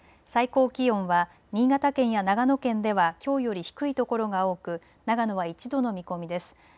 最高気温は新潟県や長野県ではきょうより低いところが多く長野は１度の見込みです。